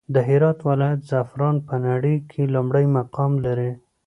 د هرات ولايت زعفران په نړى کې لومړى مقام لري.